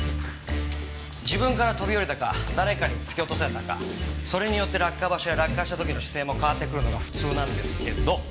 自分から飛び降りたか誰かに突き落とされたかそれによって落下場所や落下した時の姿勢も変わってくるのが普通なんですけど。